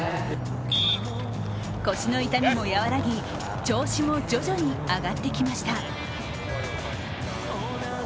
腰の痛みも和らぎ調子も徐々に上がってきました。